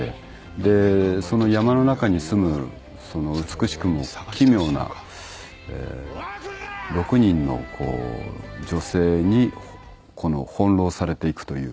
でその山の中に住む美しくも奇妙な六人の女性に翻弄されていくという。